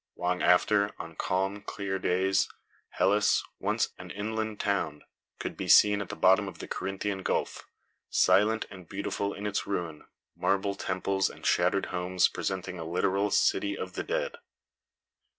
Long after, on calm, clear days, Helice, once an inland town, could be seen at the bottom of the Corinthian Gulf; silent and beautiful in its ruin, marble temples and shattered homes presenting a literal "city of the dead."